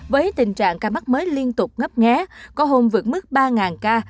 với tình trạng ca mắc mới liên tục ngấp nghé có hôm vượt mức ba ca